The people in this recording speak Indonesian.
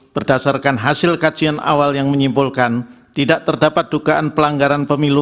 berdasarkan hasil kajian awal yang menyimpulkan tidak terdapat dugaan pelanggaran pemilu